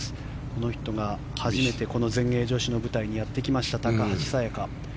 この人が初めて全英女子の舞台にやってきました高橋彩華。